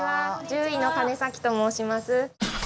獣医の金と申します。